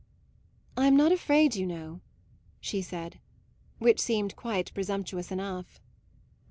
"I'm not afraid, you know," she said: which seemed quite presumptuous enough.